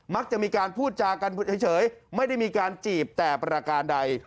มักจะมีการพูดจากันเฉยไม่ได้มีการจีบแต่ประการใด